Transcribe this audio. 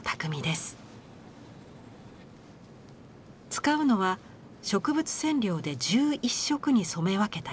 使うのは植物染料で１１色に染め分けた糸。